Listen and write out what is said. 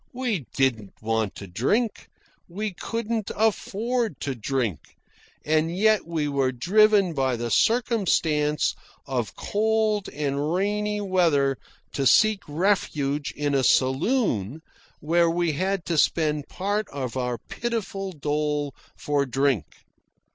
We didn't want to drink. We couldn't afford to drink. And yet we were driven by the circumstance of cold and rainy weather to seek refuge in a saloon, where we had to spend part of our pitiful dole for drink.